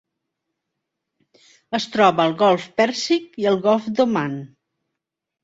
Es troba al Golf Pèrsic i al Golf d'Oman.